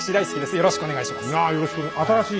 よろしくお願いします。